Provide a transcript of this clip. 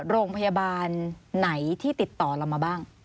โรงพยาบาลไหนที่ติดต่อเรามาบ้าง